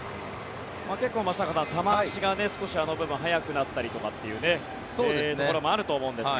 結構、松坂さん球足があの部分速くなったりというところもあると思うんですが。